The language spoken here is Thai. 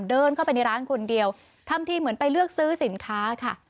เดินเข้าไปในร้านคนเดียวทำทีเหมือนไปเลือกซื้อสินค้าค่ะ